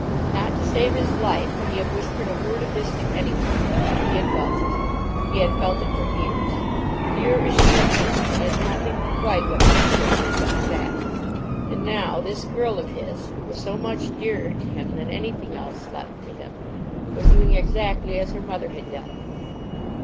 Not to save his life could he have whispered a word of this to any one, but he had felt it. He had felt it for years. Dear as she had been, she had not been quite what she should have been but for that. And now this girl of his, who was so much dearer to him than anything else left to him, was doing exactly as her mother had done.